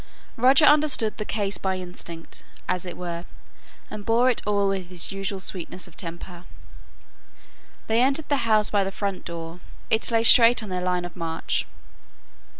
Roger understood the case by instinct, as it were, and bore it all with his usual sweetness of temper. They entered the house by the front door; it lay straight on their line of march.